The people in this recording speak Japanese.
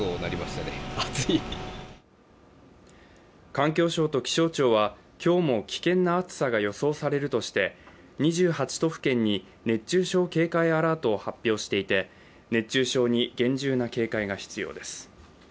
環境省と気象庁は、今日も危険な暑さが予想されるとして２８都府県に熱中症警戒アラートを発表していて熱中症に厳重な警戒が必要です。